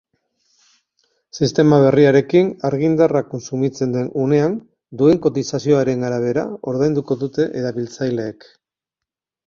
Sistema berriarekin, argindarra kontsumitzen den unean duen kotizazioaren arabera ordainduko dute erabiltzaileek.